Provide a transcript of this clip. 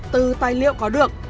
từ tài liệu có được